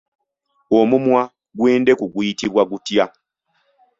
Omumwa gw'endeku guyitibwa gutya?